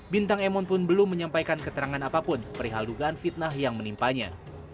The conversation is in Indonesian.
bintang emon pun belum menyampaikan keterangan apapun perihal dugaan fitnah yang menimpanya